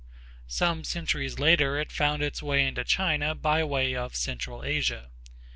Some centuries later it found its way into China by way of central Asia.